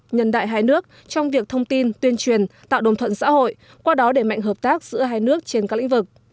nhân đại hai nước trong việc thông tin tuyên truyền tạo đồng thuận xã hội qua đó để mạnh hợp tác giữa hai nước trên các lĩnh vực